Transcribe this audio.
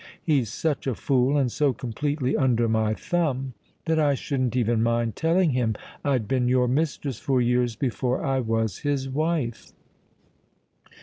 He's such a fool, and so completely under my thumb, that I shouldn't even mind telling him I'd been your mistress for years before I was his wife."